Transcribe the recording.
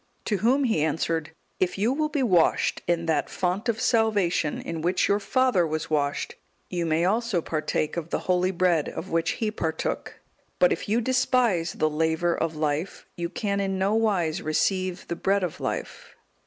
To whom he answered, "If you will be washed in that font of salvation, in which your father was washed, you may also partake of the holy Bread of which he partook; but if you despise the laver of life, you can in no wise receive the Bread of life."